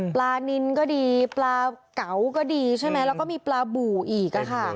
นินก็ดีปลาเก๋าก็ดีใช่ไหมแล้วก็มีปลาบู่อีกค่ะ